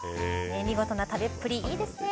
見事な食べっぷりいいですね。